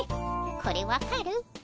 これ分かる？